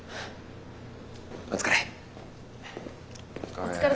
お疲れ。